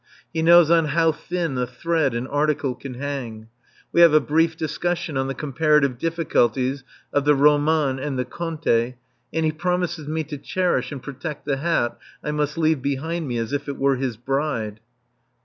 He knows on how thin a thread an article can hang. We have a brief discussion on the comparative difficulties of the roman and the conte, and he promises me to cherish and protect the hat I must leave behind me as if it were his bride.